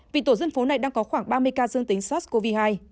vì tổ dân phố này đang có khoảng ba mươi ca dương tính sars cov hai